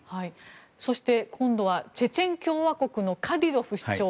そして今度はチェチェン共和国のカディロフ首長